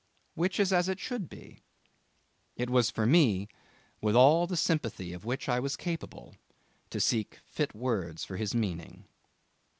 Which is as it should be. It was for me, with all the sympathy of which I was capable, to seek fit words for his meaning.